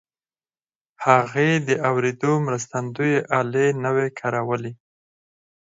هغوی د اورېدو مرستندويي الې نه وې کارولې